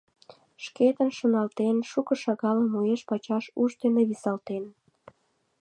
Шкетын, шоналтен, шуко-шагалжым уэш-пачаш уш дене висалтен...